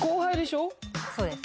そうです。